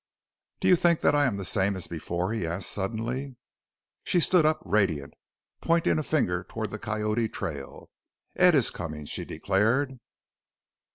"Do you think that I am the same as before?" he asked suddenly. She stood up, radiant, pointing a finger toward the Coyote trail. "Ed is coming!" she declared.